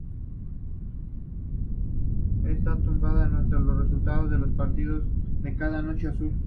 Esta tabla muestra los resultados de los partidos de cada Noche Azul.